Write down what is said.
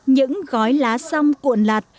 những gói lá xăm cuộn lạt